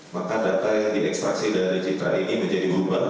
maka data yang diekstraksi dari citra ini menjadi berubah